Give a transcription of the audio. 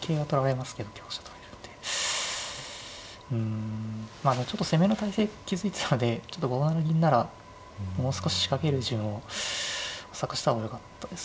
うんまあちょっと攻めの態勢築いてたのでちょっと５七銀ならもう少し仕掛ける順を探した方がよかったですかね。